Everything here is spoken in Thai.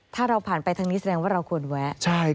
ถ้าเราผ่านไปทางนี้แสดงว่าเราควรแวะ